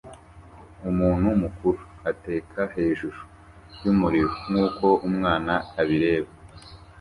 Umuntu mukuru ateka hejuru yumuriro nkuko umwana abireba